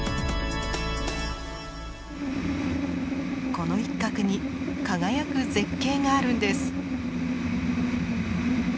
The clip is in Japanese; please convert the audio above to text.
この一角に輝く絶景があるんです。